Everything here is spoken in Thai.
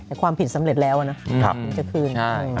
แต่ความผิดสำเร็จแล้วนะมันจะขึ้น